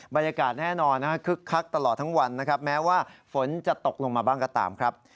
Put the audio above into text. บรรยากาศแน่นอนคึกคักตลอดทั้งวันนะครับแม้ว่าฝนจะตกลงมาบ้างก็ตามครับ